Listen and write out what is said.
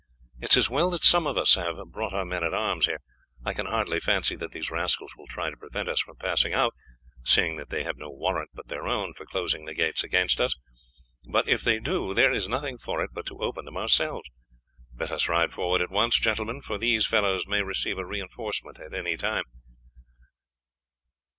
It is as well that some of us have brought our men at arms here. I can hardly fancy that these rascals will try to prevent us from passing out, seeing that they have no warrant but their own for closing the gates against us, but if they do there is nothing for it but to open them ourselves. Let us ride forward at once, gentlemen, for these fellows may receive a reinforcement at any time."